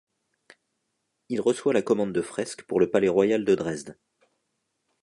Il reçoit la commande de fresques pour le palais royal de Dresde.